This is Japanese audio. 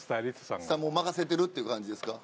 任せてるっていう感じですか？